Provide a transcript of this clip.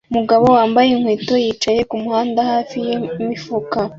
Umugabo wambaye inkweto yicaye kumuhanda hafi yimifuka